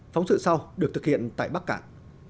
phóng sự sau được thực hiện tại bắc cạn